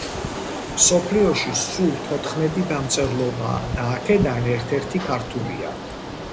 მსოფლიოში სულ თოთხმეტი დამწერლობაა და აქედან ერთ-ერთი ქართულია.